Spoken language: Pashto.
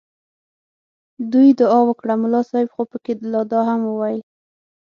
دوی دعا وکړه ملا صاحب خو پکې لا دا هم وویل.